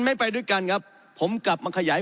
ไม่ไปด้วยกันครับผมกลับมาขยาย